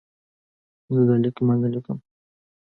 زه د لیک منځ لیکم.